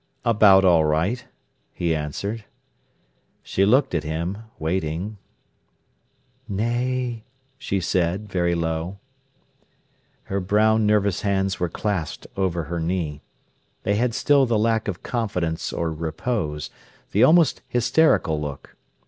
"About all right," he answered. She looked at him, waiting. "Nay," she said, very low. Her brown, nervous hands were clasped over her knee. They had still the lack of confidence or repose, the almost hysterical look.